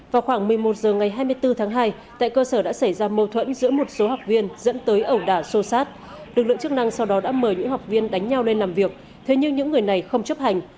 vào khoảng một mươi một h ngày hai mươi bốn tháng hai tại cơ sở đã xảy ra mâu thuẫn giữa một số học viên dẫn tới ẩu đả sô sát lực lượng chức năng sau đó đã mời những học viên đánh nhau lên làm việc thế nhưng những người này không chấp hành